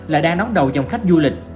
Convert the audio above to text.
là đang nóng đầu dòng khách du lịch